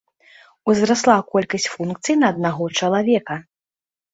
Узрасла колькасць функцый на аднаго чалавека.